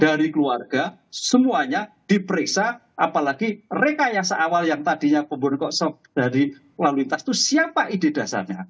dari keluarga semuanya diperiksa apalagi rekayasa awal yang tadinya pembunuh rencana kecerakan luntas itu siapa ide dasarnya